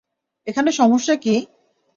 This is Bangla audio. এখানে সমস্যা কি?